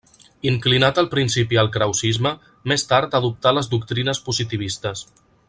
Inclinat al principi al krausisme, més tard adoptà les doctrines positivistes.